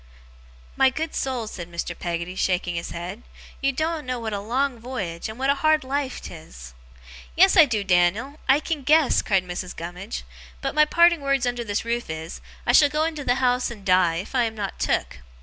'My good soul,' said Mr. Peggotty, shaking his head, 'you doen't know what a long voyage, and what a hard life 'tis!' 'Yes, I do, Dan'l! I can guess!' cried Mrs. Gummidge. 'But my parting words under this roof is, I shall go into the house and die, if I am not took.